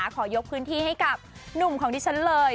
ขอยกพื้นที่ให้กับหนุ่มของดิฉันเลย